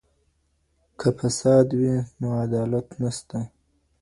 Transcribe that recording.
که فساد وي نو عدالت نسته.